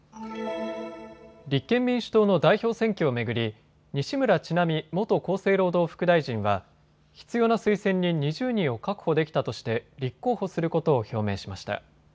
立憲民主党の代表選挙を巡り西村智奈美元厚生労働副大臣は必要な推薦人２０人を確保できたとして立候補することを表明しました。